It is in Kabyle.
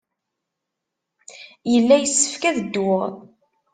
Yella yessefk ad dduɣ.